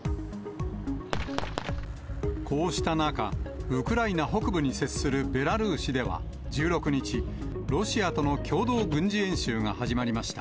こうした中、ウクライナ北部に接するベラルーシでは１６日、ロシアとの共同軍事演習が始まりました。